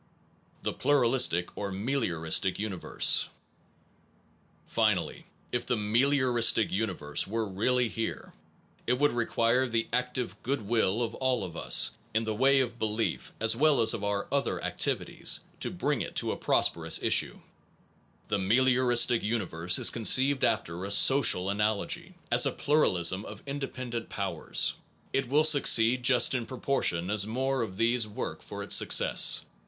1 THE PLURALISTIC OR MELIORISTIC UNIVERSE Finally, if the melioristic universe were really here, it would require the active good will of all of us, in the way of belief as well as of our other ac tivities, to bring it to a prosperous issue. The melioristic universe is conceived after a 1 Cf. Wm. James: The Will to Believe, etc., pp. 1 31, and 90 110. 228 APPENDIX social analogy, as a pluralism of independent pow ers. It will succeed just in proportion as more of these work for its success.